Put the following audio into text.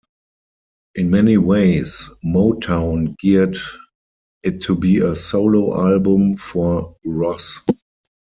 In many ways, Motown geared it to be a solo album for Ross.